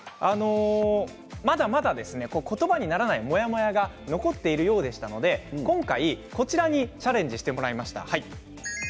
まだまだ、ことばにならないモヤモヤが残っているようでしたので今回、こちらにチャレンジしてもらいました。